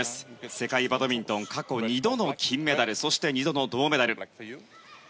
世界バドミントン過去２度の金メダルそして２度の銅メダル。